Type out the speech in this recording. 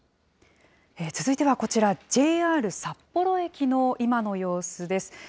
続いてはこちら、ＪＲ札幌駅の今の様子です。